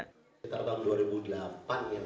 cerita abang dua ribu delapan ya